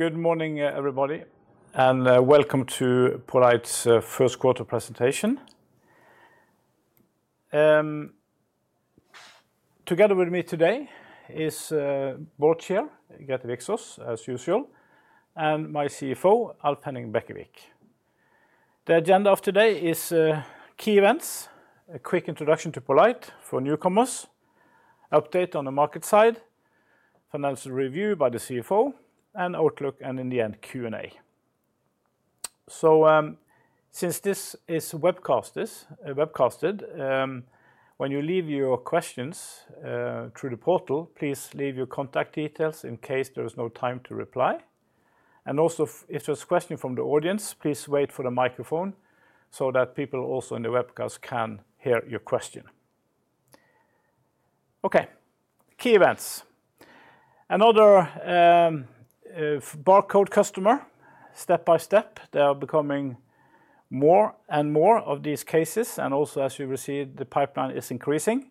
Good morning, everybody, and welcome to poLight's first quarter presentation. Together with me today is board chair, Grete Viksveen, as usual, and my CFO, Alf Henning Bekkevik. The agenda of today is key events, a quick introduction to poLight for newcomers, update on the market side, financial review by the CFO, and outlook, and in the end, Q&A. So, since this is webcasted, when you leave your questions through the portal, please leave your contact details in case there is no time to reply. And also, if there's question from the audience, please wait for the microphone so that people also in the webcast can hear your question. Okay, key events. Another barcode customer, step by step, they are becoming more and more of these cases, and also, as you will see, the pipeline is increasing.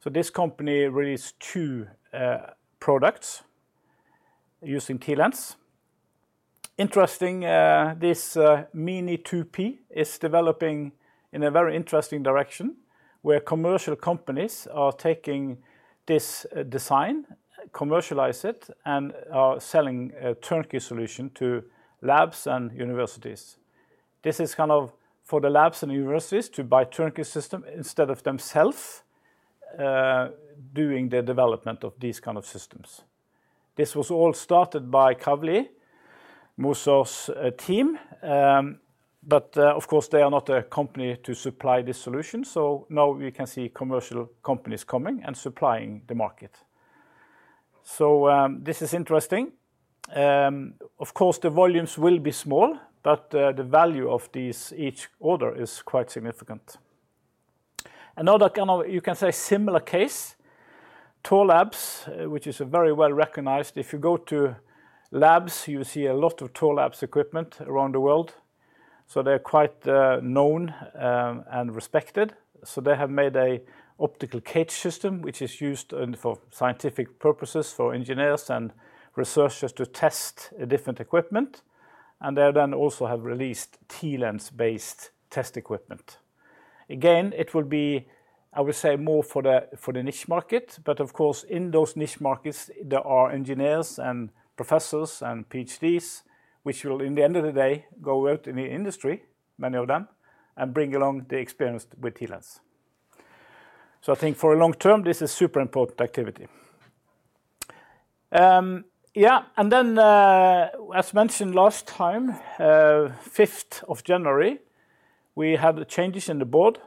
So this company released two products using TLens. Interesting, this Mini2P is developing in a very interesting direction, where commercial companies are taking this design, commercialize it, and are selling a turnkey solution to labs and universities. This is kind of for the labs and universities to buy turnkey system instead of themselves doing the development of these kind of systems. This was all started by Kavli, Mosers', team, but, of course, they are not a company to supply this solution, so now we can see commercial companies coming and supplying the market. So, this is interesting. Of course, the volumes will be small, but the value of these, each order is quite significant. Another kind of, you can say, similar case, Thorlabs, which is very well-recognized. If you go to labs, you will see a lot of Thorlabs equipment around the world, so they're quite known and respected. So they have made an optical cage system, which is used for scientific purposes, for engineers and researchers to test different equipment, and they then also have released TLens-based test equipment. Again, it will be, I would say, more for the, for the niche market, but of course, in those niche markets, there are engineers and professors and PhDs, which will, in the end of the day, go out in the industry, many of them, and bring along the experience with TLens. So I think for a long term, this is super important activity. Yeah, and then, as mentioned last time, 5th of January, we had changes in the board.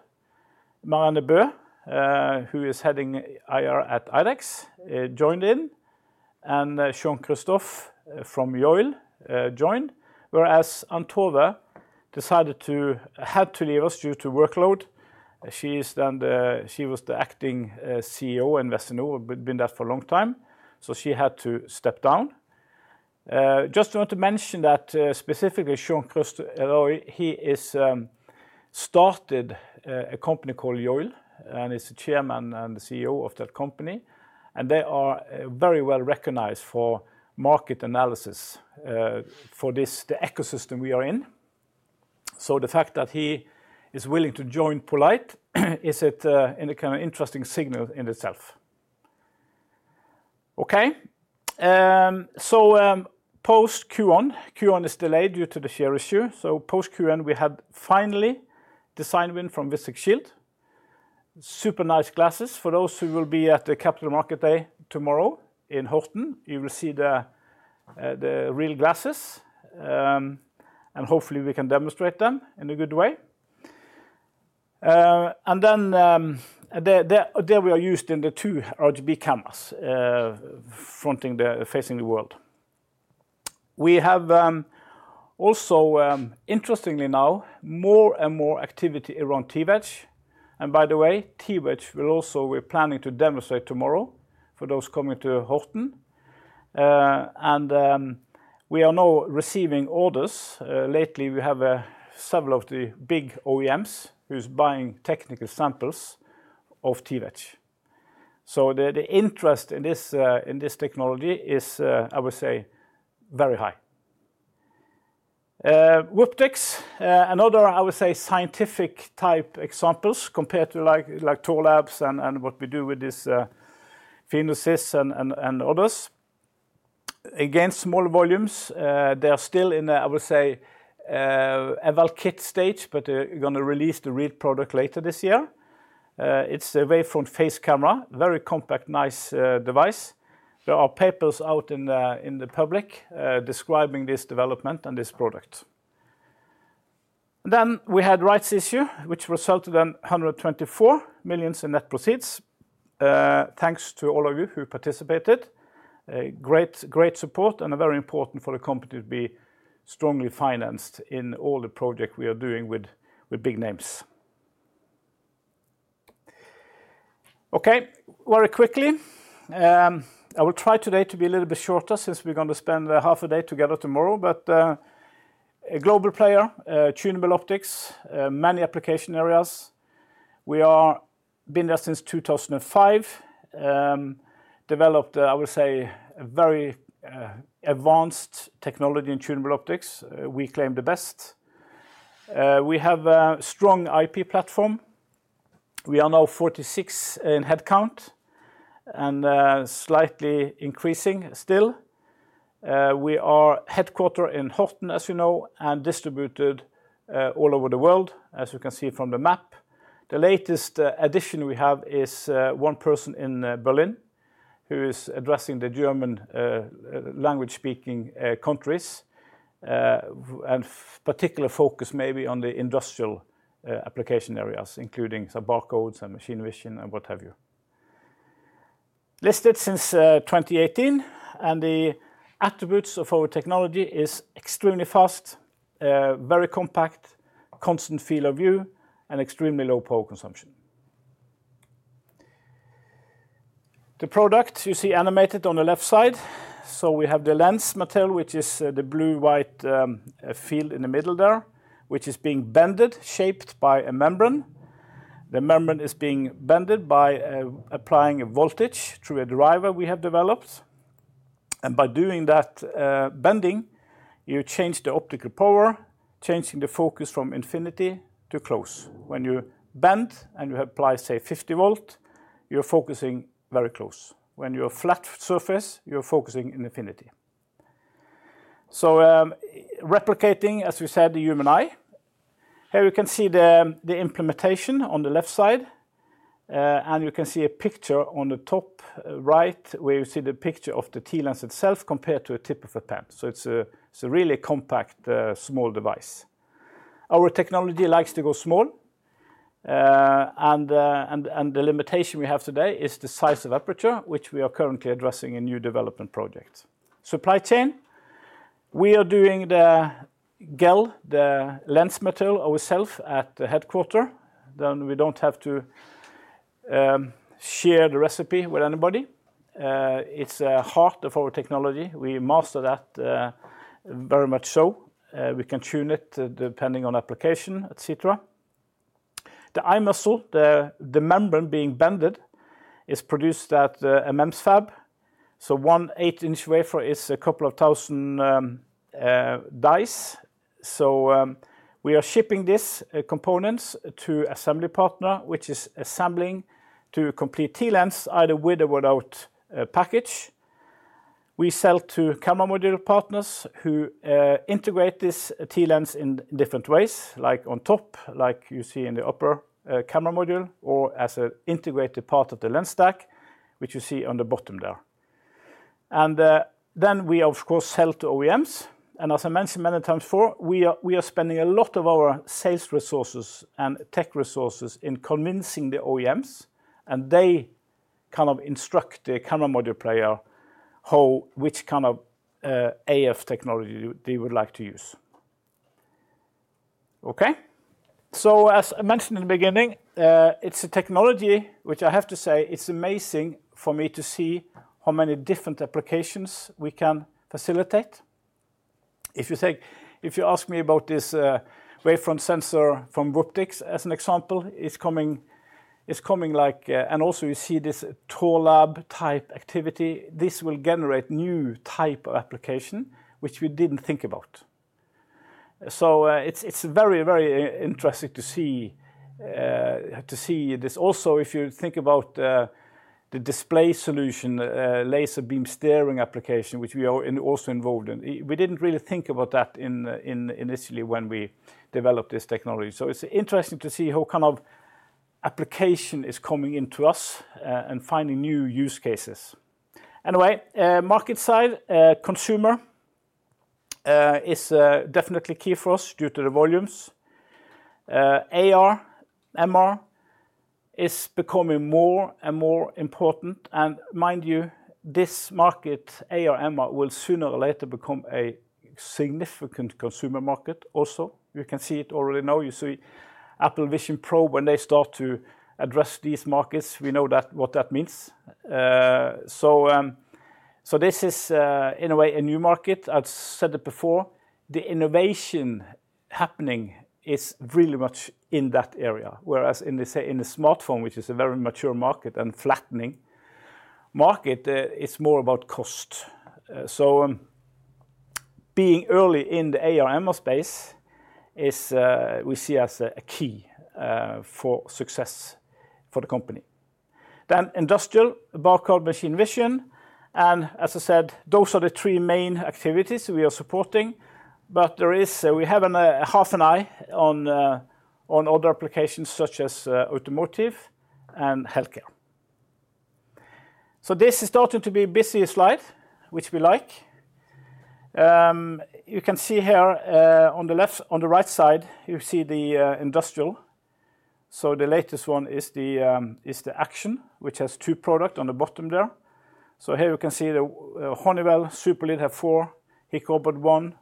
Marianne Bøe, who is heading IR at IDEX, joined in, and Jean-Christophe from Yole joined, whereas Ann-Tove decided to had to leave us due to workload. She was the acting CEO in Investinor, been that for a long time, so she had to step down. Just want to mention that, specifically Jean-Christophe, he started a company called Yole and is the chairman and the CEO of that company, and they are very well recognized for market analysis for this, the ecosystem we are in. So the fact that he is willing to join poLight is a kind of interesting signal in itself. Okay, so post Q1, Q1 is delayed due to the share issue, so post Q1, we had finally design win from Vuzix Shield. Super nice glasses. For those who will be at the Capital Markets Day tomorrow in Horten, you will see the real glasses, and hopefully we can demonstrate them in a good way. And then they were used in the two RGB cameras, facing the world. We have also, interestingly now, more and more activity around TWedge. And by the way, TWedge will also, we're planning to demonstrate tomorrow for those coming to Horten. And we are now receiving orders. Lately, we have several of the big OEMs who's buying technical samples of TWedge. So the interest in this technology is, I would say, very high. Wooptix, another, I would say, scientific-type example compared to like, like Thorlabs and, and, and others. Again, small volumes, they are still in a, I would say, eval kit stage, but, we're gonna release the real product later this year. It's a wavefront phase camera, very compact, nice, device. There are papers out in the, in the public, describing this development and this product. Then we had rights issue, which resulted in 124 million in net proceeds. Thanks to all of you who participated. A great, great support, and a very important for the company to be strongly financed in all the project we are doing with, with big names. Okay, very quickly, I will try today to be a little bit shorter since we're going to spend half a day together tomorrow, but a global player, tunable optics, many application areas. We've been there since 2005. Developed, I would say, a very advanced technology in tunable optics. We claim the best. We have a strong IP platform. We are now 46 in head count, and slightly increasing still. We are headquartered in Horten, as you know, and distributed all over the world, as you can see from the map. The latest addition we have is one person in Berlin, who is addressing the German-speaking countries, with particular focus on the industrial application areas, including some barcodes and machine vision, and what have you. Listed since 2018, and the attributes of our technology is extremely fast, very compact, constant field of view, and extremely low power consumption. The product you see animated on the left side, so we have the lens material, which is the blue-white field in the middle there, which is being bent, shaped by a membrane. The membrane is being bent by applying a voltage through a driver we have developed, and by doing that, bending, you change the optical power, changing the focus from infinity to close. When you bend and you apply, say, 50 volt, you're focusing very close. When you're a flat surface, you're focusing in infinity. So, replicating, as we said, the human eye. Here you can see the implementation on the left side, and you can see a picture on the top right, where you see the picture of the TLens itself compared to a tip of a pen. So it's a really compact, small device. Our technology likes to go small, and the limitation we have today is the size of aperture, which we are currently addressing in new development projects. Supply chain. We are doing the gel, the lens material, ourselves at the headquarters. Then we don't have to share the recipe with anybody. It's the heart of our technology. We master that very much so. We can tune it, depending on application, et cetera. The eye muscle, the membrane being bent, is produced at the MEMS fab, so one 8-in wafer is a couple thousand dice. So, we are shipping this components to assembly partner, which is assembling to complete TLens, either with or without a package. We sell to camera module partners who integrate this TLens in different ways, like on top, like you see in the upper camera module, or as a integrated part of the lens stack, which you see on the bottom there. And then we, of course, sell to OEMs, and as I mentioned many times before, we are, we are spending a lot of our sales resources and tech resources in convincing the OEMs, and they kind of instruct the camera module player which kind of AF technology they would like to use. Okay? So, as I mentioned in the beginning, it's a technology which I have to say, it's amazing for me to see how many different applications we can facilitate. If you ask me about this, wavefront sensor from Wooptix, as an example, it's coming, it's coming like. And also you see this Thorlabs-type activity. This will generate new type of application, which we didn't think about. So, it's, it's very, very interesting to see, to see this. Also, if you think about, the display solution, laser beam steering application, which we are also involved in. We didn't really think about that initially when we developed this technology. So it's interesting to see how kind of application is coming into us, and finding new use cases. Anyway, market side, consumer, is definitely key for us due to the volumes. AR, MR is becoming more and more important, and mind you, this market, AR/MR, will sooner or later become a significant consumer market also. You can see it already now. You see Apple Vision Pro, when they start to address these markets, we know that what that means. So, so this is, in a way, a new market. I've said it before, the innovation happening is really much in that area. Whereas in the, say, in the smartphone, which is a very mature market and flattening market, it's more about cost. So, being early in the AR/MR space is, we see as a key, for success for the company. Industrial, barcode, machine vision, and as I said, those are the three main activities we are supporting, but we have half an eye on other applications such as automotive and healthcare. So this is starting to be a busy slide, which we like. You can see here on the right side, you see the industrial. So the latest one is the Axon, which has two products on the bottom there. So here you can see the Honeywell, SuperLead have four, Hikrobot 1,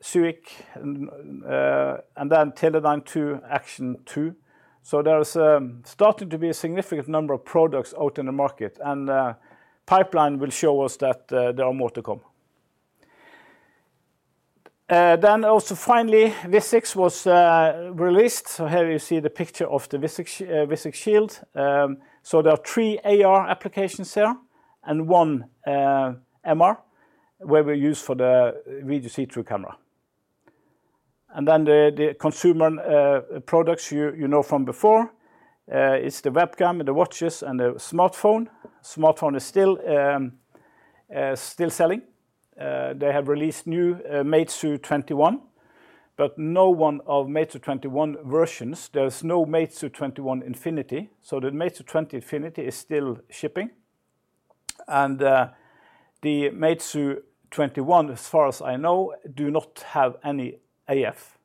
Seuic, and then Teledyne 2, Axon 2. So there is starting to be a significant number of products out in the market, and the pipeline will show us that there are more to come. Then also finally, Vuzix was released. So here you see the picture of the Vuzix Shield. So there are three AR applications here, and one MR, where we use for the video see-through camera. And then the consumer products you know from before is the webcam, the watches, and the smartphone. Smartphone is still selling. They have released new Meizu 21, but no one of Meizu 21 versions, there's no Meizu 21 Infinity. So the Meizu 20 Infinity is still shipping, and the Meizu 21, as far as I know, do not have any AF.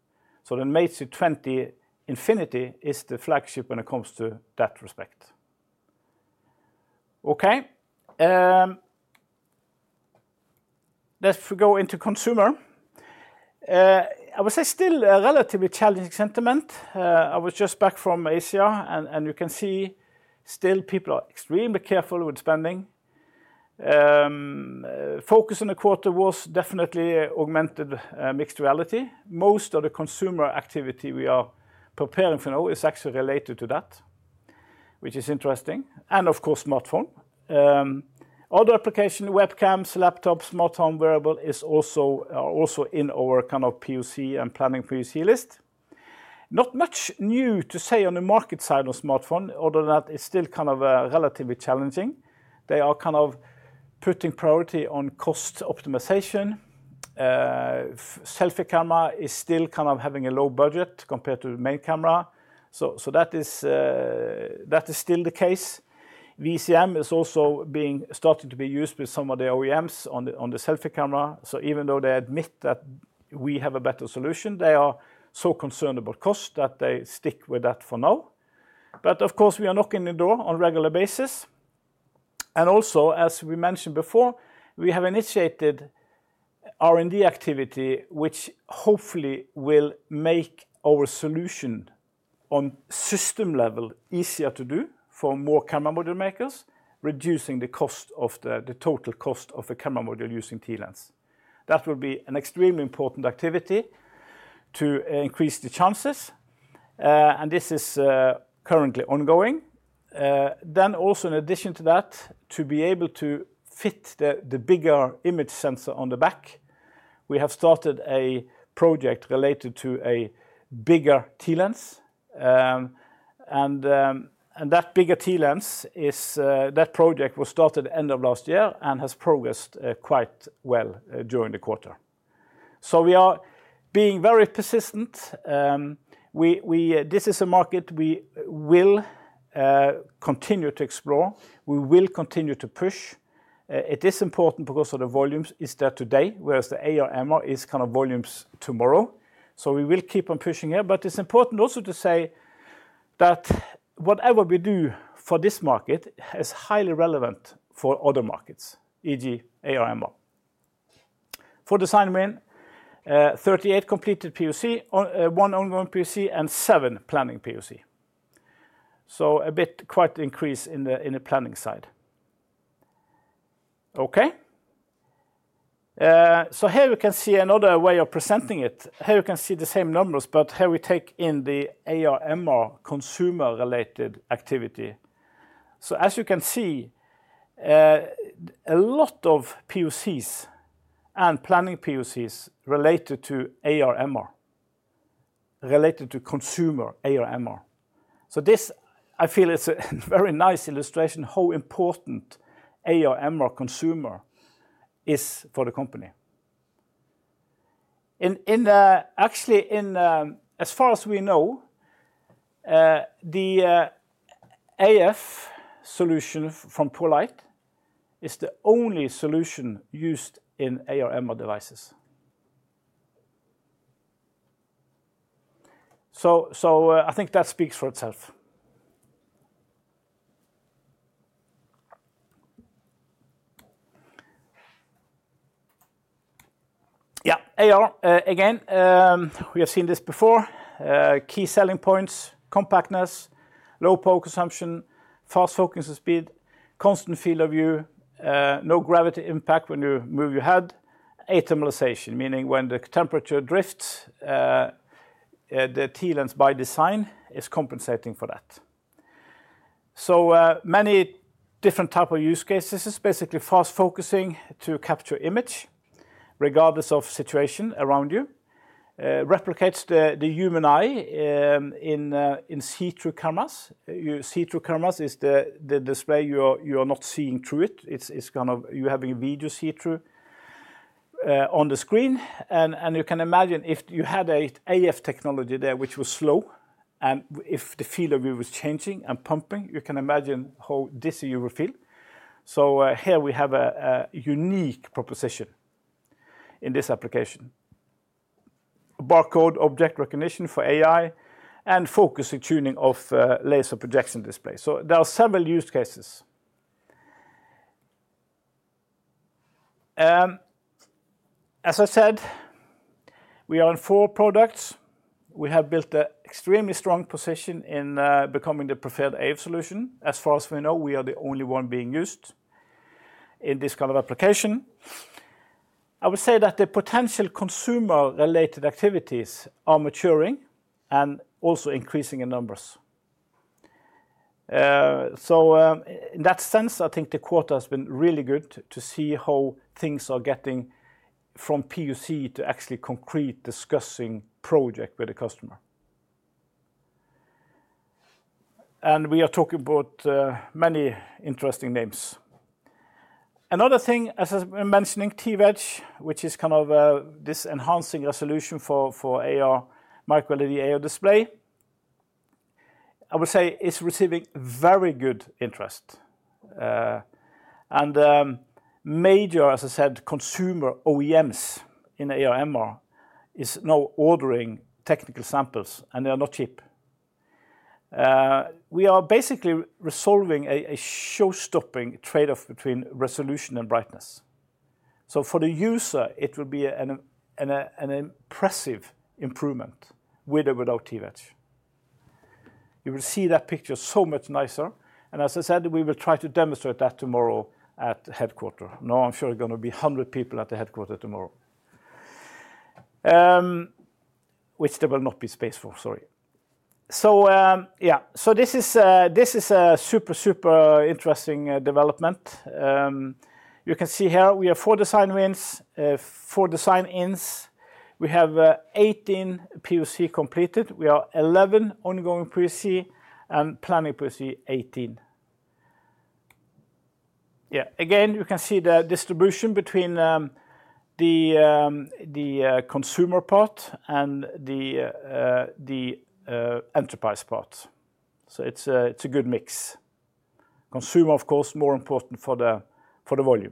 So the Meizu 20 Infinity is the flagship when it comes to that respect. Let's go into consumer. I would say still a relatively challenging sentiment. I was just back from Asia, and you can see still people are extremely careful with spending. Focus on the quarter was definitely Augmented Mixed Reality. Most of the consumer activity we are preparing for now is actually related to that, which is interesting, and of course, smartphone. Other application, webcams, laptops, smartphone, wearable is also, are also in our kind of POC and planning POC list. Not much new to say on the market side of smartphone, other than that, it's still kind of relatively challenging. They are kind of putting priority on cost optimization. Selfie camera is still kind of having a low budget compared to the main camera. So that is still the case. VCM is also being starting to be used with some of the OEMs on the selfie camera. So even though they admit that we have a better solution, they are so concerned about cost that they stick with that for now. But of course, we are knocking the door on a regular basis. And also, as we mentioned before, we have initiated R&D activity, which hopefully will make our solution on system level easier to do for more camera module makers, reducing the cost of the total cost of a camera module using TLens. That will be an extremely important activity to increase the chances, and this is currently ongoing. Then also in addition to that, to be able to fit the bigger image sensor on the back, we have started a project related to a bigger TLens. And that bigger TLens is, that project was started end of last year and has progressed quite well during the quarter. So we are being very persistent. This is a market we will continue to explore. We will continue to push. It is important because of the volumes is there today, whereas the AR/MR is kind of volumes tomorrow, so we will keep on pushing it. But it's important also to say that whatever we do for this market is highly relevant for other markets, e.g., AR/MR. For design win, 38 completed POC, 1 ongoing POC, and 7 planning POC. So a bit quite increase in the, in the planning side. Okay. So here we can see another way of presenting it. Here you can see the same numbers, but here we take in the AR/MR consumer-related activity. So as you can see, a lot of POCs and planning POCs related to AR/MR, related to consumer AR/MR. So this, I feel it's a very nice illustration, how important AR/MR consumer is for the company. Actually, in as far as we know, the AF solution from poLight is the only solution used in AR/MR devices. So, I think that speaks for itself. Yeah, AR, again, we have seen this before. Key selling points: compactness, low power consumption, fast focusing speed, constant field of view, no gravity impact when you move your head, athermalization, meaning when the temperature drifts, the TLens by design is compensating for that. So, many different type of use cases. This is basically fast focusing to capture image regardless of situation around you. Replicates the human eye in see-through cameras. You see-through cameras is the display you are not seeing through it. It's kind of you have a video see-through on the screen, and you can imagine if you had a AF technology there, which was slow, and if the field of view was changing and pumping, you can imagine how dizzy you would feel. So, here we have a unique proposition in this application. Barcode object recognition for AI and focus and tuning of laser projection display. So there are several use cases. As I said, we are in four products. We have built an extremely strong position in becoming the preferred AF solution. As far as we know, we are the only one being used in this kind of application. I would say that the potential consumer-related activities are maturing and also increasing in numbers. So, in that sense, I think the quarter has been really good to see how things are getting from POC to actually concrete discussing project with the customer. And we are talking about many interesting names. Another thing, as I've been mentioning, TWedge, which is kind of this enhancing a solution for AR, Micro-LED AR display, I would say it's receiving very good interest. And, major, as I said, consumer OEMs in AR/MR is now ordering technical samples, and they are not cheap. We are basically resolving a showstopping trade-off between resolution and brightness. So for the user, it will be an impressive improvement with or without TWedge. You will see that picture so much nicer, and as I said, we will try to demonstrate that tomorrow at the headquarters. Now, I'm sure there are going to be 100 people at the headquarters tomorrow, which there will not be space for, sorry. So, yeah, so this is a super, super interesting development. You can see here we have four design wins, four design-ins. We have 18 POC completed. We have 11 ongoing POC, and 18 planning POC. Yeah, again, you can see the distribution between the consumer part and the enterprise part. So it's a good mix. Consumer, of course, more important for the volume.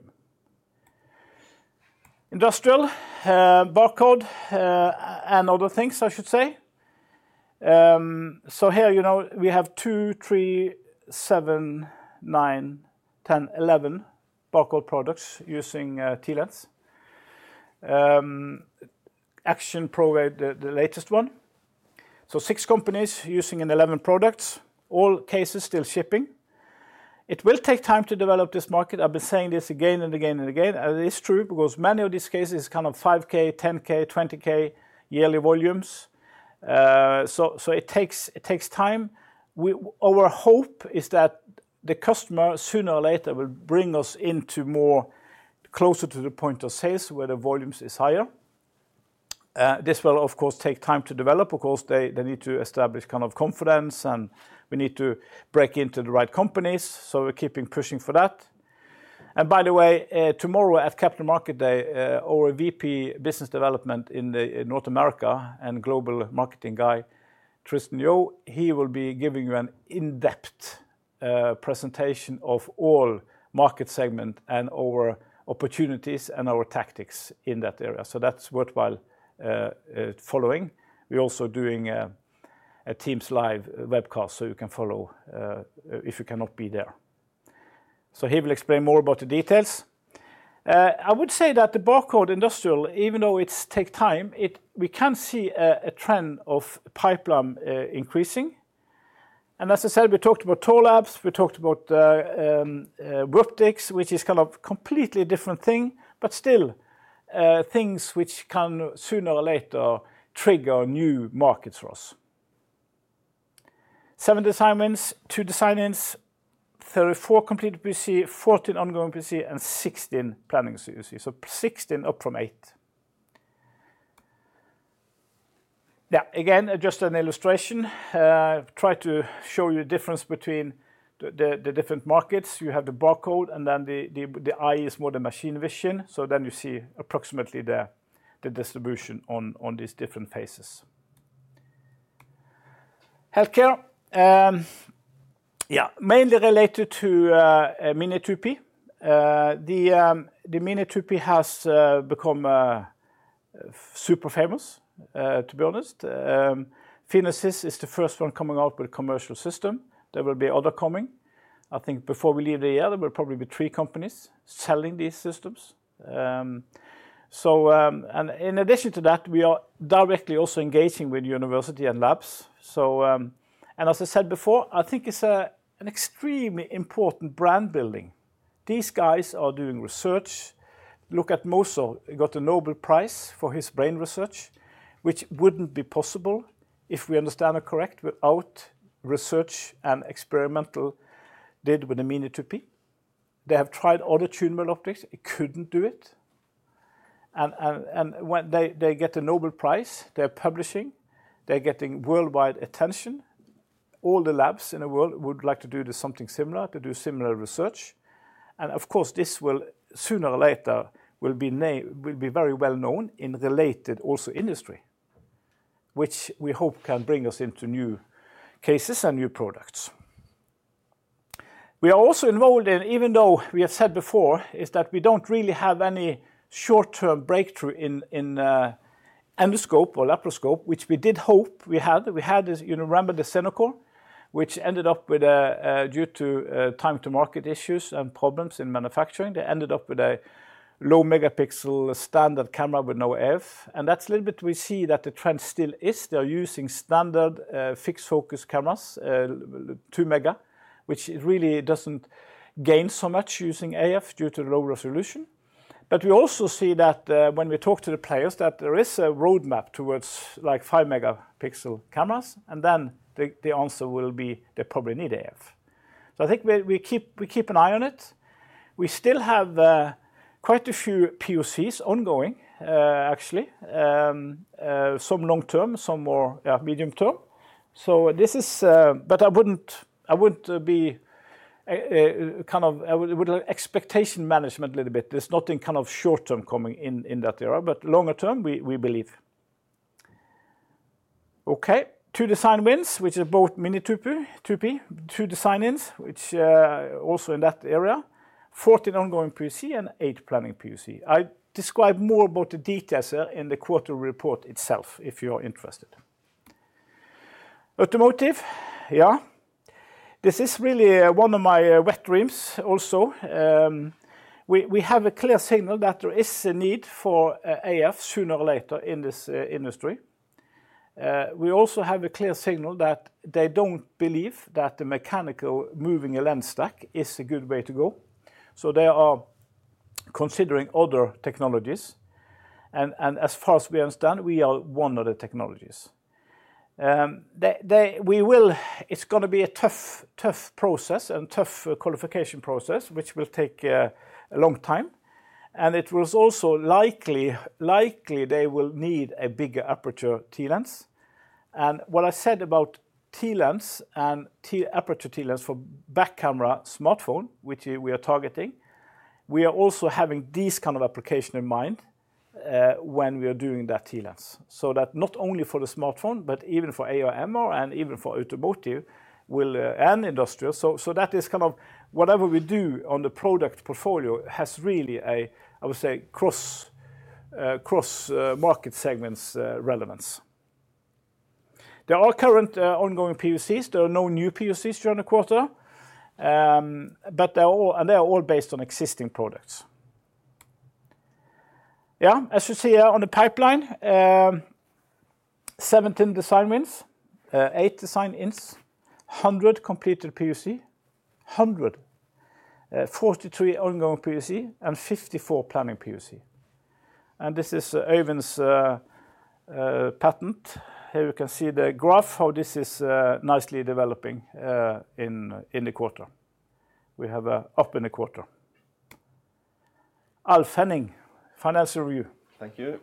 Industrial, barcode, and other things, I should say. So here, you know, we have two, three, seven, nine, 10, 11 barcode products using TLens. Axon Pro, the latest one. So six companies using in 11 products, all cases still shipping. It will take time to develop this market. I've been saying this again and again, and again, and it is true, because many of these cases kind of 5K, 10K, 20K yearly volumes. So it takes, it takes time. Our hope is that the customer, sooner or later, will bring us into more closer to the point of sales, where the volumes is higher. This will, of course, take time to develop. Of course, they, they need to establish kind of confidence, and we need to break into the right companies, so we're keeping pushing for that. And by the way, tomorrow at Capital Markets Day, our VP Business Development in the North America and Global Marketing guy, Tristan Yeo, he will be giving you an in-depth presentation of all market segment and our opportunities and our tactics in that area. So that's worthwhile following. We're also doing a Teams live webcast, so you can follow if you cannot be there. So he will explain more about the details. I would say that the barcode industrial, even though it's take time, it we can see a trend of pipeline increasing. As I said, we talked about Thorlabs, we talked about Wooptix, which is kind of completely different thing, but still, things which can sooner or later trigger new markets for us. Seven design wins, two design-ins, 34 completed POC, 14 ongoing POC, and 16 planning POC. So 16 up from eight. Yeah, again, just an illustration. Try to show you the difference between the different markets. You have the barcode, and then the eye is more the machine vision, so then you see approximately the distribution on these different phases. Healthcare. Yeah, mainly related to Mini2P. The Mini2P has become super famous, to be honest. PhenoSys is the first one coming out with a commercial system. There will be other coming. I think before we leave the year, there will probably be three companies selling these systems. And in addition to that, we are directly also engaging with universities and labs. And as I said before, I think it's an extremely important brand building. These guys are doing research. Look at Moser, he got a Nobel Prize for his brain research, which wouldn't be possible, if we understand it correct, without research and experimentation with the Mini2P. They have tried other tunable optics, it couldn't do it. And when they get a Nobel Prize, they're publishing, they're getting worldwide attention. All the labs in the world would like to do something similar, to do similar research. And of course, this will, sooner or later, will be very well known in related also industry, which we hope can bring us into new cases and new products. We are also involved in even though we have said before, is that we don't really have any short-term breakthrough in endoscope or laparoscope, which we did hope we had. We had this, you remember the Xenocor, which ended up with a due to time-to-market issues and problems in manufacturing. They ended up with low-megapixel standard camera with no AF, and that's a little bit we see that the trend still is, they are using standard fixed focus cameras, 2 megapixel, which really doesn't gain so much using AF due to low resolution. But we also see that, when we talk to the players, that there is a roadmap towards, like, 5-megapixel cameras, and then the answer will be they probably need AF. So I think we keep an eye on it. We still have quite a few POCs ongoing, actually. Some long-term, some more, yeah, medium-term. So this is, but I wouldn't be kind of... I would expectation management a little bit. There's nothing kind of short-term coming in, in that area, but longer term, we believe. Okay, 2 design wins, which are both Mini2P. 2 design-ins, which also in that area. 14 ongoing POC and 8 planning POC. I describe more about the details in the quarter report itself, if you are interested. Automotive, yeah. This is really one of my wet dreams also. We have a clear signal that there is a need for AF sooner or later in this industry. We also have a clear signal that they don't believe that the mechanical moving a lens stack is a good way to go, so they are considering other technologies, and as far as we understand, we are one of the technologies. It's gonna be a tough process and tough qualification process, which will take a long time, and it was also likely they will need a bigger aperture TLens. And what I said about TLens and aperture TLens for back camera smartphone, which we are targeting, we are also having this kind of application in mind when we are doing that TLens. So that not only for the smartphone, but even for AR/MR and even for automotive will... and industrial. So, so that is kind of whatever we do on the product portfolio has really a, I would say, cross, cross, market segments, relevance. There are current, ongoing POCs. There are no new POCs during the quarter. But they are all, and they are all based on existing products. Yeah, as you see, on the pipeline, 17 design wins, eight design-ins, 100 completed POC, 143 ongoing POC, and 54 planning POC. And this is Øyvind's patent. Here you can see the graph, how this is, nicely developing, in the quarter. We have a up in the quarter. Alf Henning, financial review. Thank you.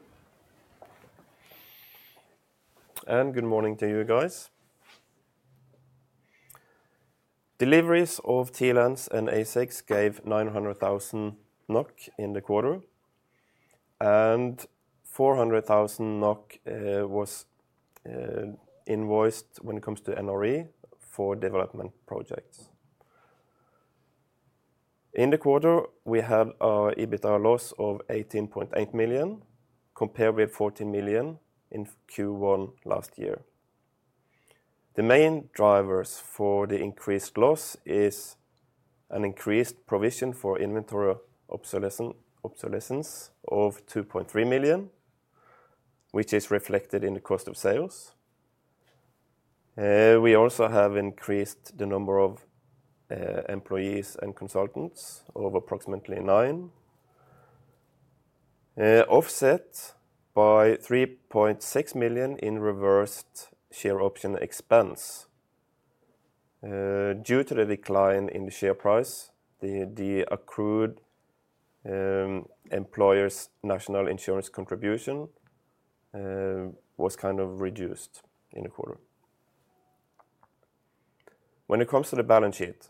Good morning to you guys. Deliveries of TLens and ASICs gave 900,000 NOK in the quarter, and 400,000 NOK was invoiced when it comes to NRE for development projects. In the quarter, we have an EBITDA loss of 18.8 million, compared with 14 million in Q1 last year. The main drivers for the increased loss is an increased provision for inventory obsolescence of 2.3 million, which is reflected in the cost of sales. We also have increased the number of employees and consultants of approximately nine, offset by 3.6 million in reversed share option expense. Due to the decline in the share price, the accrued employer's national insurance contribution was kind of reduced in the quarter. When it comes to the balance sheet,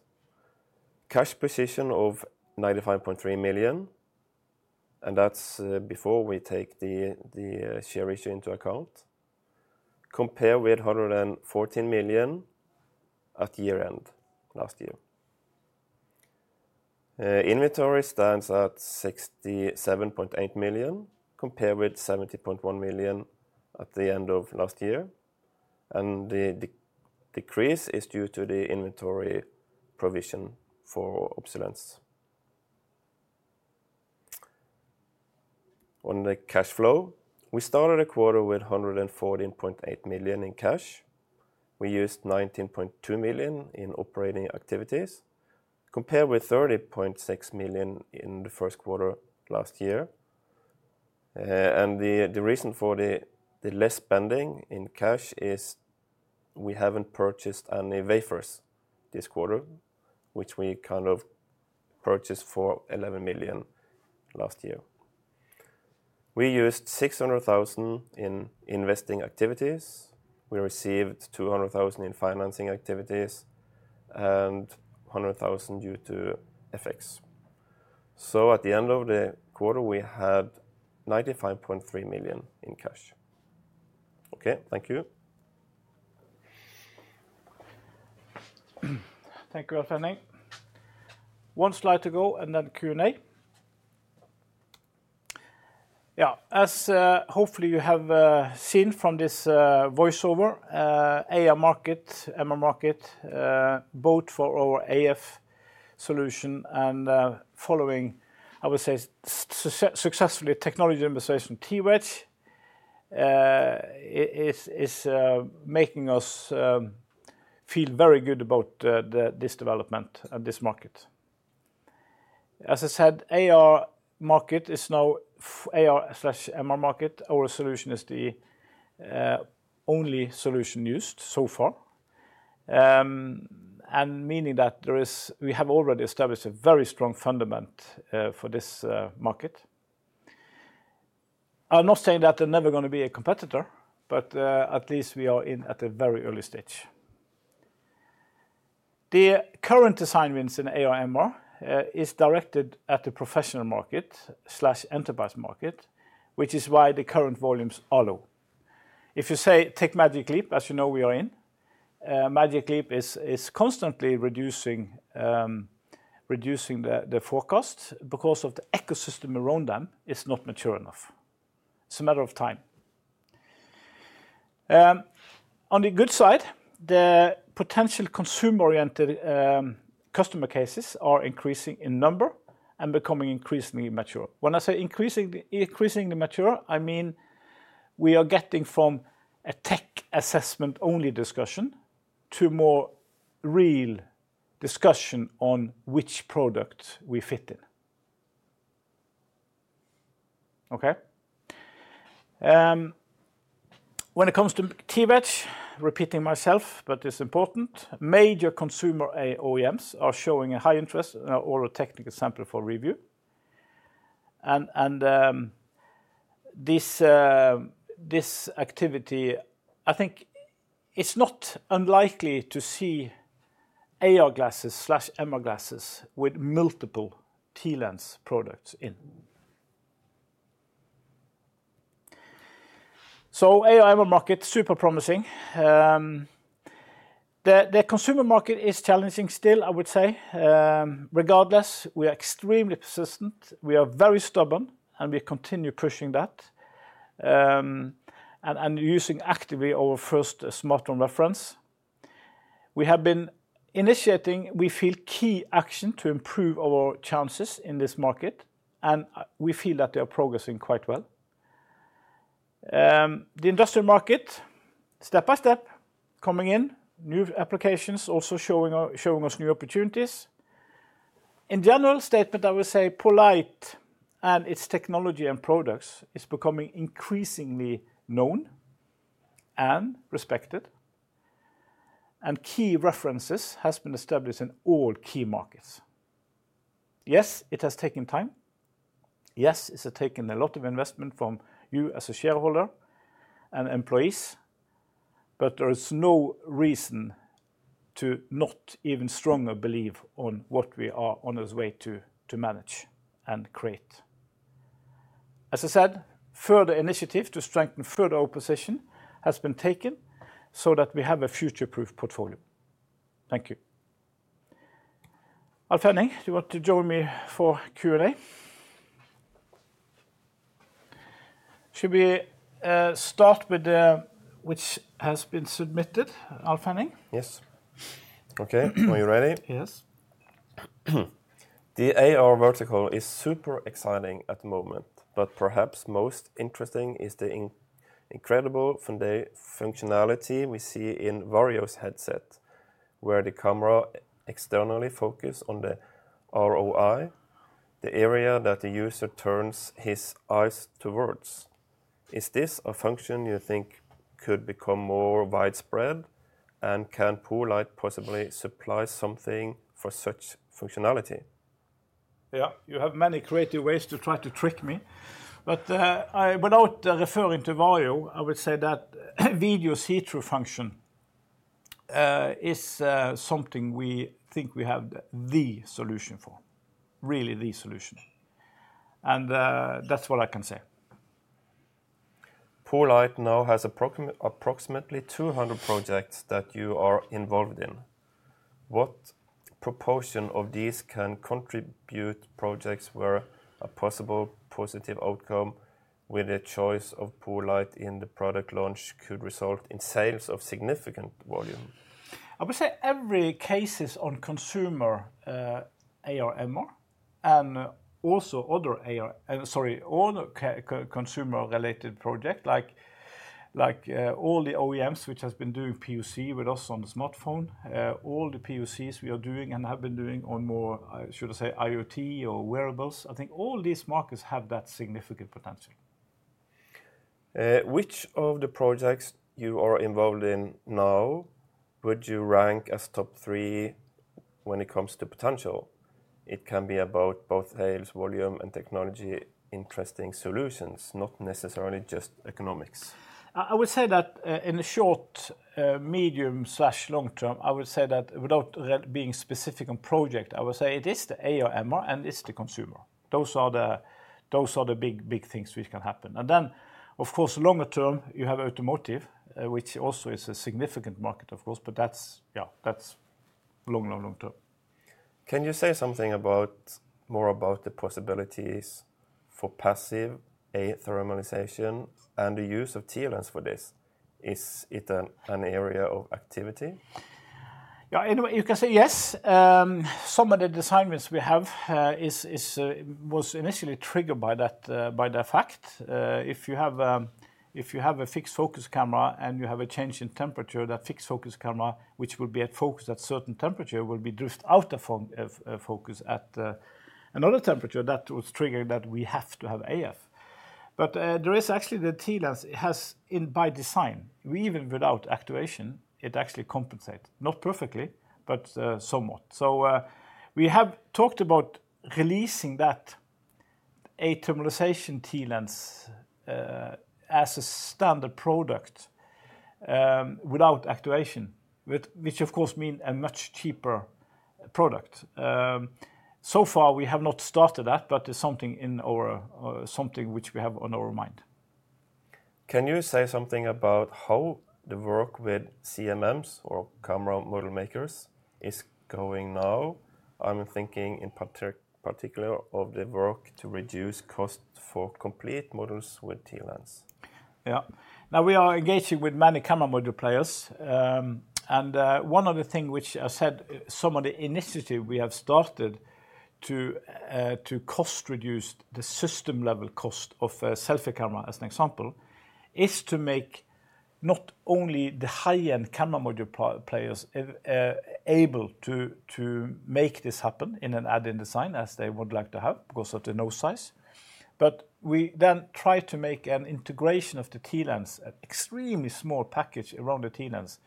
cash position of 95.3 million, and that's before we take the share issue into account, compared with 114 million at year-end last year. Inventory stands at 67.8 million, compared with 70.1 million at the end of last year, and the decrease is due to the inventory provision for obsolescence. On the cash flow, we started the quarter with 114.8 million in cash. We used 19.2 million in operating activities, compared with 30.6 million in the first quarter last year. And the reason for the less spending in cash is we haven't purchased any wafers this quarter, which we kind of purchased for 11 million last year. We used 600,000 in investing activities. We received 200,000 in financing activities and 100,000 due to FX. So at the end of the quarter, we had 95.3 million in cash. Okay, thank you. Thank you, Alf Henning. One slide to go, and then Q&A. Yeah, as hopefully you have seen from this overview, AR market, MR market, both for our AF solution and following, I would say, successful technology demonstration, TWedge, is making us feel very good about this development and this market. As I said, AR market is now AR/MR market. Our solution is the only solution used so far. And meaning that we have already established a very strong foundation for this market. I'm not saying that there are never going to be a competitor, but at least we are in at a very early stage. The current assignments in AR/MR is directed at the professional market/enterprise market, which is why the current volumes are low. If you say take Magic Leap, as you know, we are in, Magic Leap is constantly reducing the forecast because the ecosystem around them is not mature enough. It's a matter of time. On the good side, the potential consumer-oriented customer cases are increasing in number and becoming increasingly mature. When I say increasingly mature, I mean, we are getting from a tech assessment-only discussion to more real discussion on which product we fit in. Okay? When it comes to TWedge, repeating myself, but it's important, major consumer OEMs are showing a high interest in our technical sample for review, and this activity, I think it's not unlikely to see AR glasses/MR glasses with multiple TLens products in. So AR/MR market, super promising. The consumer market is challenging still, I would say. Regardless, we are extremely persistent, we are very stubborn, and we continue pushing that, and using actively our first smartphone reference. We have been initiating, we feel, key action to improve our chances in this market, and we feel that they are progressing quite well. The industrial market, step by step, coming in, new applications, also showing us new opportunities. In general statement, I will say poLight and its technology and products is becoming increasingly known and respected, and key references has been established in all key markets. Yes, it has taken time. Yes, it's taken a lot of investment from you as a shareholder and employees, but there is no reason to not even stronger believe on what we are on this way to, to manage and create. As I said, further initiative to strengthen further our position has been taken so that we have a future-proof portfolio. Thank you. Alf Henning, do you want to join me for Q&A? Should we start with which has been submitted, Alf Henning? Yes. Okay. Are you ready? Yes. The AR vertical is super exciting at the moment, but perhaps most interesting is the incredible functionality we see in Varjo's headset, where the camera externally focus on the ROI, the area that the user turns his eyes towards. Is this a function you think could become more widespread, and can poLight possibly supply something for such functionality? Yeah, you have many creative ways to try to trick me, but, without referring to Varjo, I would say that video see-through function is something we think we have the solution for, really the solution and that's what I can say. poLight now has approximately 200 projects that you are involved in. What proportion of these can contribute projects where a possible positive outcome with a choice of poLight in the product launch could result in sales of significant volume? I would say every cases on consumer AR/MR, and also other, sorry, all consumer-related project, like, all the OEMs which has been doing POC with us on the smartphone, all the POCs we are doing and have been doing on more, should I say, IoT or wearables. I think all these markets have that significant potential. Which of the projects you are involved in now would you rank as top three when it comes to potential? It can be about both sales volume and technology, interesting solutions, not necessarily just economics. I would say that in the short, medium/long term, I would say that without being specific on project, I would say it is the AR/MR, and it's the consumer. Those are the big, big things which can happen. And then, of course, longer term, you have automotive, which also is a significant market, of course, but that's, yeah, that's long, long, long term. Can you say something about, more about the possibilities for passive athermalization and the use of TLens for this? Is it an area of activity? Yeah, in a way, you can say yes. Some of the designs we have was initially triggered by that fact. If you have a fixed-focus camera and you have a change in temperature, that fixed-focus camera, which will be at focus at certain temperature, will be drift out of focus at another temperature. That triggered that we have to have AF. But there is actually the TLens, it has in by design, even without actuation, it actually compensates, not perfectly, but somewhat. So we have talked about releasing that athermalization TLens as a standard product, without actuation, which of course mean a much cheaper product. So far we have not started that, but it's something which we have on our mind. Can you say something about how the work with CMMs or camera module makers is going now? I'm thinking in particular of the work to reduce cost for complete modules with TLens. Yeah. Now, we are engaging with many camera module players. And one of the things which I said, some of the initiatives we have started to cost reduce the system-level cost of a selfie camera, as an example, is to make not only the high-end camera module players able to make this happen in an add-in design, as they would like to have, because of the nose size. But we then try to make an integration of the TLens, an extremely small package around the TLens,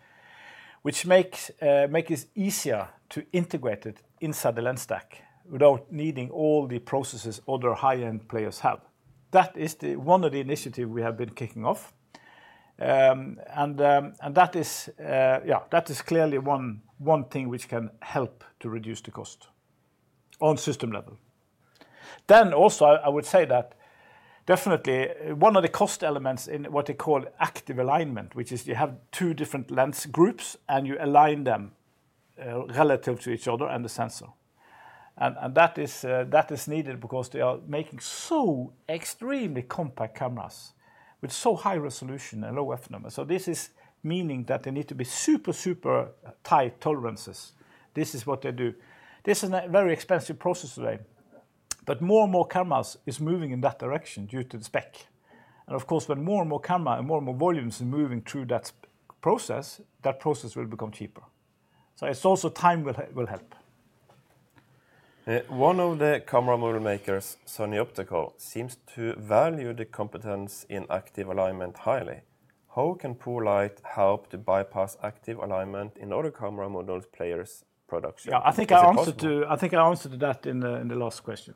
which makes it easier to integrate it inside the lens stack without needing all the processes other high-end players have. That is one of the initiatives we have been kicking off. That is clearly one thing which can help to reduce the cost on system level. Then also, I would say that definitely one of the cost elements in what they call active alignment, which is you have two different lens groups, and you align them relative to each other and the sensor, and that is needed because they are making so extremely compact cameras with so high resolution and low F-number. So this is meaning that they need to be super, super tight tolerances. This is what they do. This is a very expensive process today, but more and more cameras is moving in that direction due to the spec. And of course, when more and more camera and more and more volumes are moving through that process, that process will become cheaper. It's also time will help. One of the camera module makers, Sony Optical, seems to value the competence in active alignment highly. How can poLight help to bypass active alignment in other camera module players' production? Yeah, I think I answered to- Is it possible? I think I answered to that in the last question.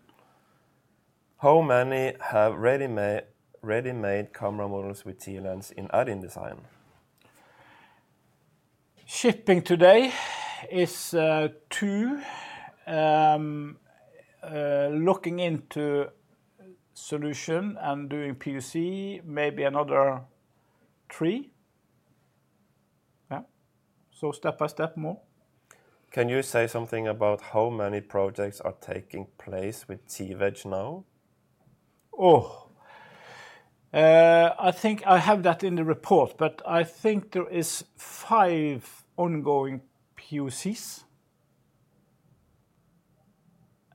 How many have ready-made camera modules with TLens in design-in? Shipping today is two. Looking into solution and doing POC, maybe another three. Yeah. So step by step more. Can you say something about how many projects are taking place with TWedge now? I think I have that in the report, but I think there is five ongoing PUCs,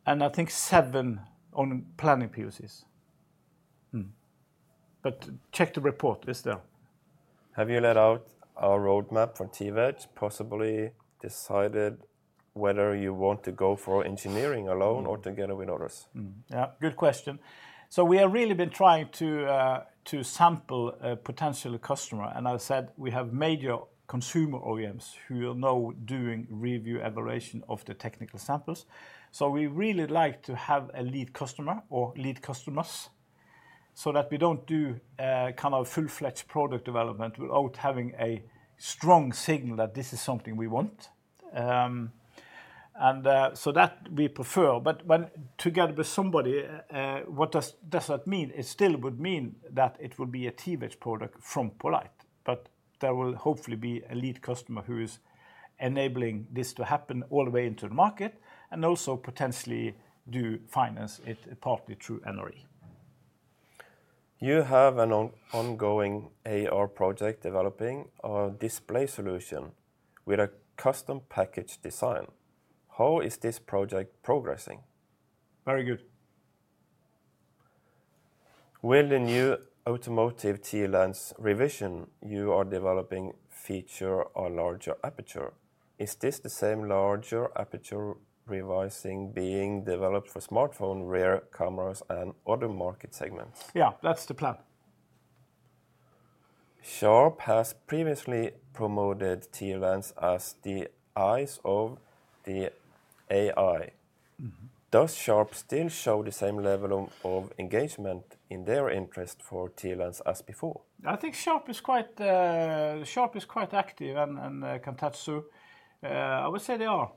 and I think seven on planning PUCs, but check the report, it's there. Have you laid out a roadmap for TWedge, possibly decided whether you want to go for engineering alone or together with others? Yeah, good question. So we have really been trying to sample a potential customer, and I said we have major consumer OEMs who are now doing review evaluation of the technical samples. So we really like to have a lead customer or lead customers, so that we don't do a kind of full-fledged product development without having a strong signal that this is something we want. So that we prefer, but when together with somebody, what does that mean? It still would mean that it would be a TWedge product from poLight, but there will hopefully be a lead customer who is enabling this to happen all the way into the market, and also potentially do finance it partly through NRE. You have an ongoing AR project developing a display solution with a custom package design. How is this project progressing? Very good. Will the new automotive TLens revision you are developing feature a larger aperture? Is this the same larger aperture revision being developed for smartphone rear cameras and other market segments? Yeah, that's the plan. Sharp has previously promoted TLens as the eyes of the AI. Does Sharp still show the same level of engagement in their interest for TLens as before? I think Sharp is quite, Sharp is quite active, and, and, Kantatsu, I would say they are.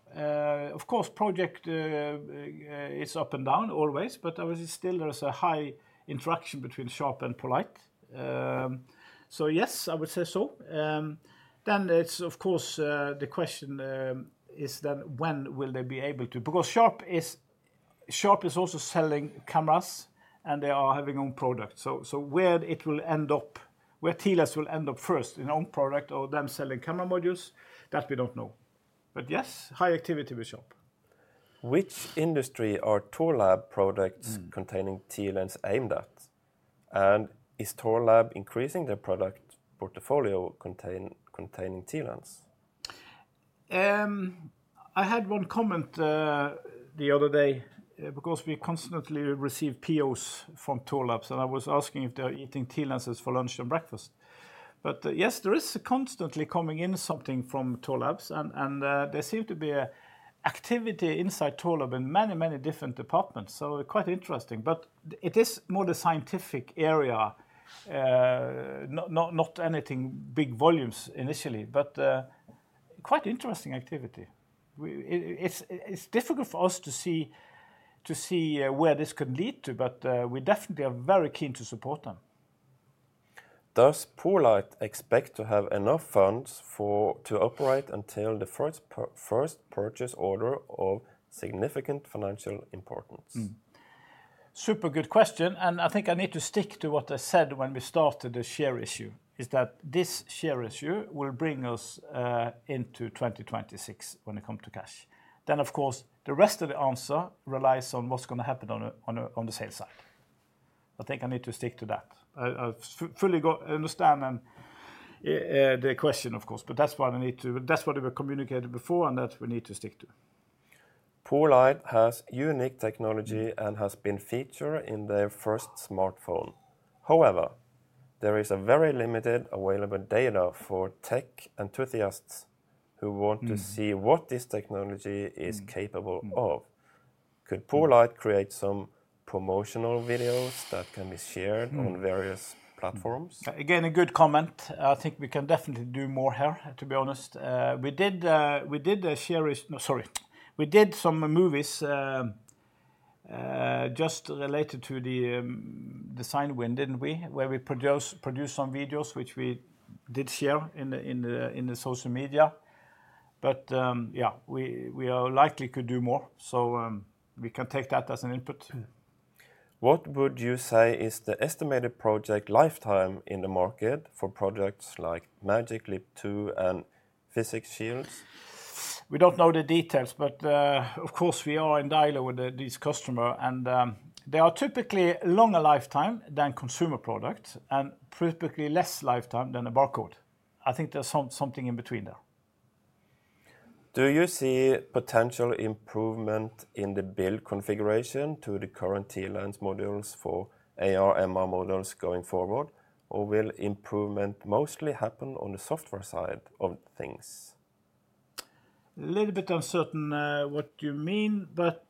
Of course, it's up and down always, but I would say still there is a high interaction between Sharp and poLight. So yes, I would say so. Then it's of course, the question, is then when will they be able to- because Sharp is, Sharp is also selling cameras, and they are having own product. So, so where it will end up, where TLens will end up first, in own product or them selling camera modules, that we don't know. But yes, high activity with Sharp. Which industry are Thorlabs products... containing TLens aimed at? And is Thorlabs increasing their product portfolio containing TLens? I had one comment, the other day, because we constantly receive POs from Thorlabs, and I was asking if they are eating TLenses for lunch and breakfast. But, yes, there is constantly coming in something from Thorlabs, and, there seem to be an activity inside Thorlabs in many, many different departments, so quite interesting. But it is more the scientific area. Not anything big volumes initially, but, quite interesting activity. It's difficult for us to see, where this could lead to, but, we definitely are very keen to support them. Does poLight expect to have enough funds for, to operate until the first purchase order of significant financial importance? Super good question, and I think I need to stick to what I said when we started the share issue, is that this share issue will bring us into 2026 when it come to cash. Then, of course, the rest of the answer relies on what's going to happen on the sales side. I think I need to stick to that. I fully understand the question, of course, but that's what I need to... That's what we were communicated before, and that we need to stick to. poLight has unique technology and has been featured in their first smartphone. However, there is a very limited available data for tech enthusiasts who want to see what this technology is capable of. Could poLight create some promotional videos that can be shared on various platforms? Again, a good comment. I think we can definitely do more here, to be honest. We did some movies just related to the design win, didn't we? Where we produced some videos, which we did share in the social media. But yeah, we likely could do more. So we can take that as an input. What would you say is the estimated project lifetime in the market for projects like Magic Leap 2 and Vuzix Shield? We don't know the details, but, of course, we are in dialogue with this customer, and, they are typically longer lifetime than consumer products and typically less lifetime than a barcode. I think there's something in between there. Do you see potential improvement in the build configuration to the current TLens modules for AR/MR models going forward, or will improvement mostly happen on the software side of things? A little bit uncertain what you mean, but,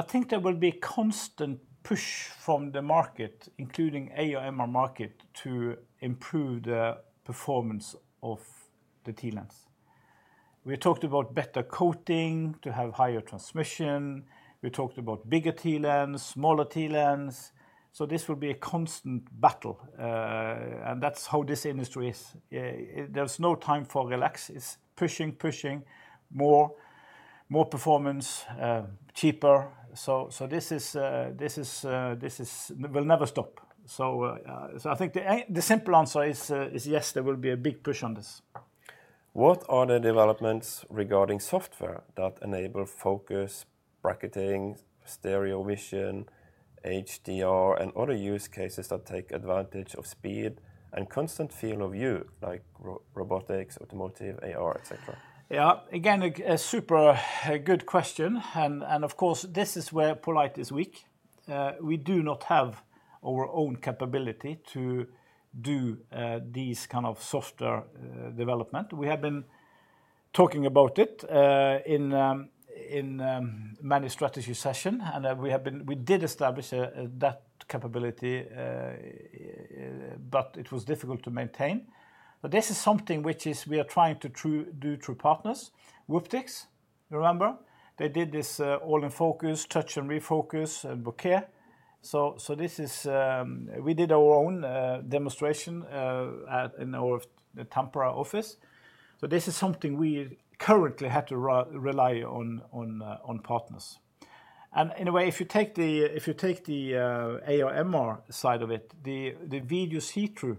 I think there will be constant push from the market, including AR/MR market, to improve the performance of the TLens. We talked about better coating to have higher transmission. We talked about bigger TLens, smaller TLens. So this will be a constant battle, and that's how this industry is. There's no time for relax. It's pushing, pushing, more, more performance, cheaper. So, this will never stop. So, I think the simple answer is, yes, there will be a big push on this. What are the developments regarding software that enable focus bracketing, stereo vision, HDR, and other use cases that take advantage of speed and constant field of view, like robotics, automotive, AR, et cetera? Yeah, again, a super good question. And of course, this is where poLight is weak. We do not have our own capability to do these kind of software development. We have been talking about it in many strategy session, and we did establish that capability, but it was difficult to maintain. But this is something which we are trying to do through partners. Wooptix, remember? They did this all-in focus, touch and refocus, and bokeh. We did our own demonstration at our Tampere office. So this is something we currently had to rely on partners. In a way, if you take the AR/MR side of it, the video see-through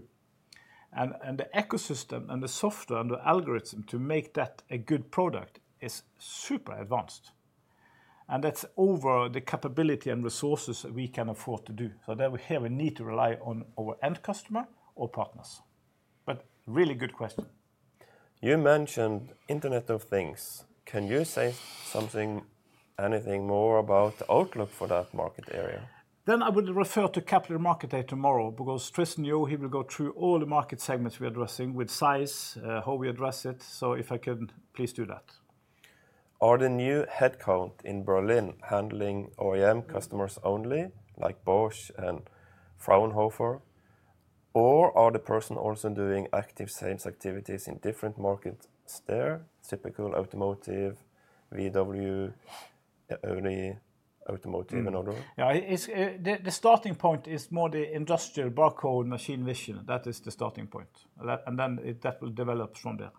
and the ecosystem and the software and the algorithm to make that a good product is super advanced, and that's over the capability and resources that we can afford to do. So then here we need to rely on our end customer or partners, but really good question. You mentioned Internet of Things. Can you say something, anything more about the outlook for that market area? Then I would refer to Capital Markets Day tomorrow, because Tristan Yeo, he will go through all the market segments we are addressing, with size, how we address it. So if I could please do that. Are the new headcount in Berlin handling OEM customers only, like Bosch and Fraunhofer?... or are the person also doing active sales activities in different markets there? Typical automotive, VW, only automotive and other? Yeah, it's the starting point is more the industrial barcode machine vision. That is the starting point. Then that will develop from there.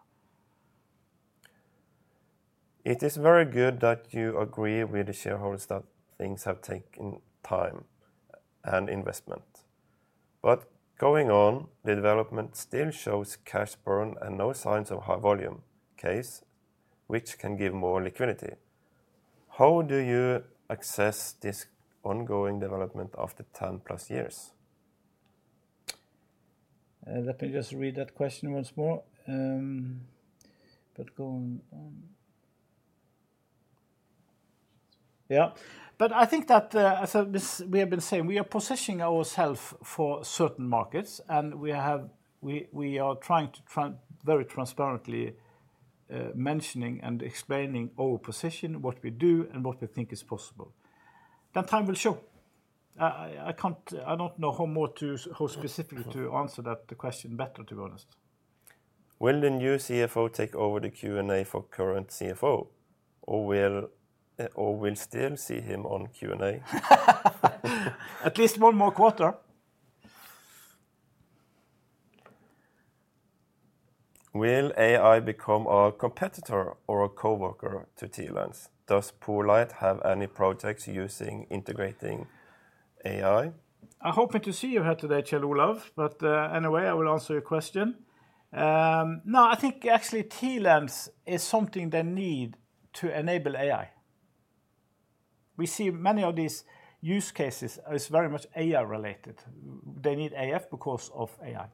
It is very good that you agree with the shareholders that things have taken time and investment. But going on, the development still shows cash burn and no signs of high volume case, which can give more liquidity. How do you assess this ongoing development after 10+ years? Let me just read that question once more. But go on. Yeah, but I think that, as we have been saying, we are positioning ourselves for certain markets, and we are trying to very transparently mention and explain our position, what we do, and what we think is possible. Then time will show. I don't know how more to, how specifically to answer that question better, to be honest. Will the new CFO take over the Q&A for current CFO, or we'll still see him on Q&A? At least one more quarter. Will AI become a competitor or a coworker to TLens? Does Polight have any projects using integrating AI? I'm hoping to see you here today, Kjell Olav, but anyway, I will answer your question. No, I think actually TLens is something they need to enable AI. We see many of these use cases as very much AI related. They need AL because of AI.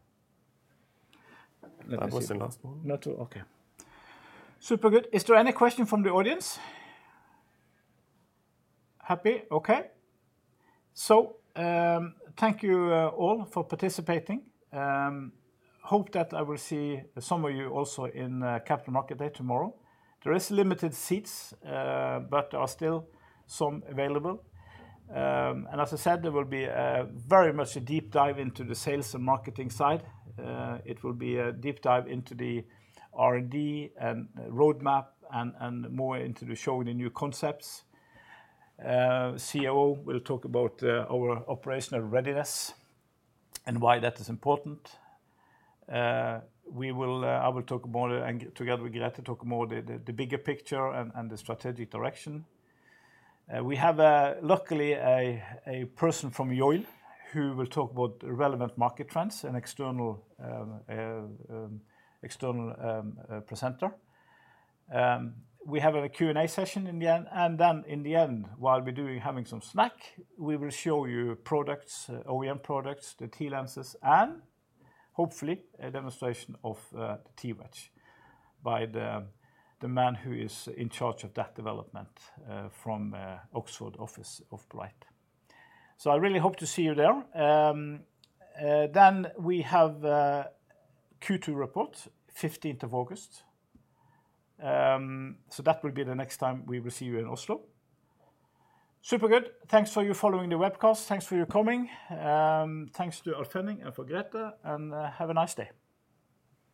That was the last one. Okay. Super good. Is there any question from the audience? Happy. Okay. So, thank you, all for participating. Hope that I will see some of you also in, Capital Markets Day tomorrow. There is limited seats, but are still some available. And as I said, there will be a very much a deep dive into the sales and marketing side. It will be a deep dive into the R&D and roadmap and, and more into the showing the new concepts. COO will talk about, our operational readiness and why that is important. We will, I will talk more and together with Grete to talk more the, the, the bigger picture and, the strategic direction. We have, luckily, a person from Yole, who will talk about relevant market trends and external presenter. We have a Q&A session in the end, and then in the end, while we're having some snack, we will show you products, OEM products, the TLenses, and hopefully a demonstration of TWedge by the man who is in charge of that development from Oxford office of poLight. So I really hope to see you there. Then we have a Q2 report, 15th of August. So that will be the next time we will see you in Oslo. Super good. Thanks for you following the webcast. Thanks for your coming. Thanks to Alf Henning and for Grete, and have a nice day.